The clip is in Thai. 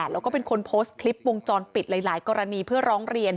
แล้วก็เป็นคนโพสต์คลิปวงจรปิดหลายกรณีเพื่อร้องเรียน